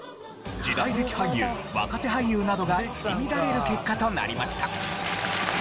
時代劇俳優若手俳優などが入り乱れる結果となりました。